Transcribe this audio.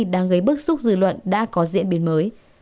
đang gây bức xúc dư luận đã có diễn biến mới